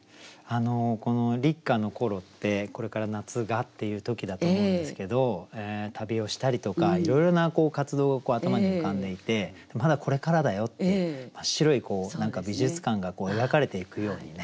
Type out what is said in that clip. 立夏の頃ってこれから夏がっていう時だと思うんですけど旅をしたりとかいろいろな活動を頭に浮かんでいてまだこれからだよって白い美術館が描かれていくようにね。